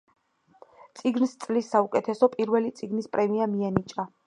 წიგნს წლის საუკეთესო პირველი წიგნის პრემია მიენიჭა.